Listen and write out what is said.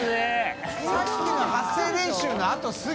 さっきの発声練習の後すぐ。